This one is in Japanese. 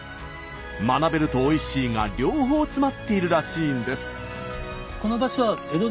「学べる」と「おいしい」が両方詰まっているらしいんです。